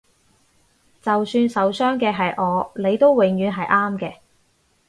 就算受傷嘅係我你都永遠係啱嘅